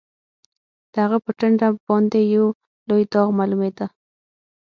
د هغه په ټنډه باندې یو لوی داغ معلومېده